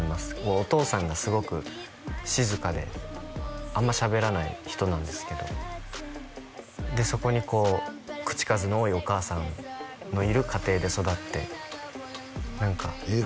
お父さんがすごく静かであんましゃべらない人なんですけどでそこにこう口数の多いお母さんのいる家庭で育って何かええ